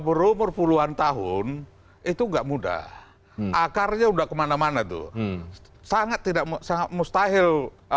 berumur puluhan tahun itu enggak mudah akarnya udah kemana mana tuh sangat tidak sangat mustahil